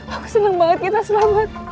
aku senang banget kita selamat